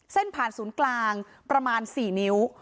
เส้นผ่านศูนย์กลางประมาณ๔นิ้ว